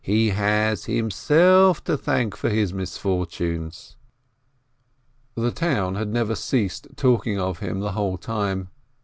He has himself to thank for his misfortunes." The town had never ceased talking of him the whole time.